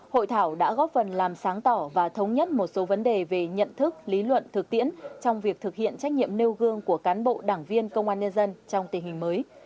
hội thảo đã góp phần làm sáng tỏ và thống nhất một số vấn đề về nhận thức lý luận thực tiễn trong việc thực hiện trách nhiệm nêu gương của cán bộ đảng viên công an nhân dân trong tình hình mới